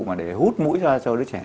mà để hút mũi ra cho đứa trẻ